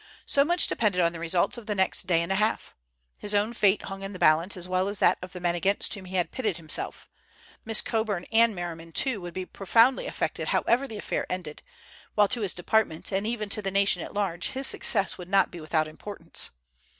So much depended on the results of the next day and a half! His own fate hung in the balance as well as that of the men against whom he had pitted himself; Miss Coburn and Merriman too would be profoundly affected however the affair ended, while to his department, and even to the nation at large, his success would not be without importance.